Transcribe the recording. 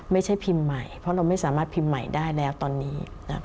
ไม่ใช่พิมพ์ใหม่เพราะเราไม่สามารถพิมพ์ใหม่ได้แล้วตอนนี้